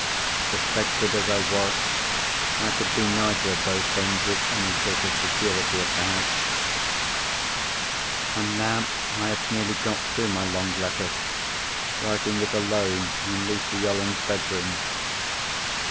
Suspected as I was, I could do neither of those things with any sort of security, at the house. "And now I have nearly got through my long letter, writing it alone in Lucy Yolland's bedroom.